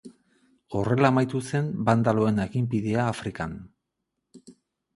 Horrela amaitu zen bandaloen aginpidea Afrikan.